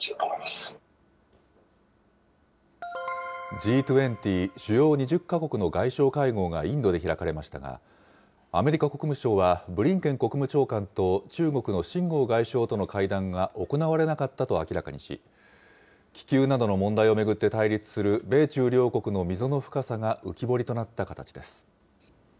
Ｇ２０・主要２０か国の外相会合がインドで開かれましたが、アメリカ国務省はブリンケン国務長官と中国の秦剛外相との会談が行われなかったと明らかにし、気球などの問題を巡って対立する米中両国の溝の深さが浮き彫りとなった形です。